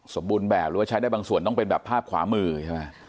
สมบูรณ์แบบหรือว่าใช้ได้บางส่วนต้องเป็นแบบภาพขวามือใช่ไหม